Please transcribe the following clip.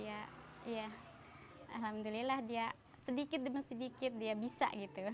alhamdulillah dia sedikit demi sedikit dia bisa